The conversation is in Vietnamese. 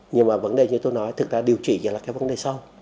nhưng mà vấn đề như tôi nói thực ra điều trị là vấn đề sau